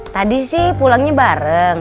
tadi sih pulangnya bareng